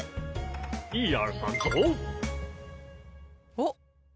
おっ！